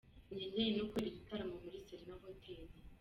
Ni njye njyenyine ukorera igitaramo muri Serena Hotel.